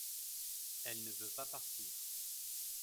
elle ne veut pas partir.